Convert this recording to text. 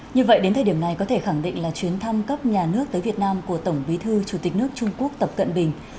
như vậy đến thời điểm này có thể khẳng định là chuyến thăm cấp nhà nước tới việt nam của tổng bí thư chủ tịch nước trung quốc tập cận bình